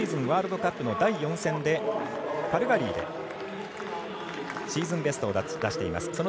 ワールドカップの第４戦でカルガリーでシーズンベストを出しています。